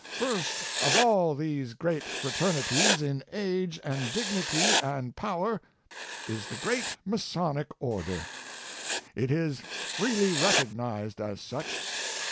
First of all these great fraternities in age and dignity and power, is the great Masonic order. It is freely recog nized as such.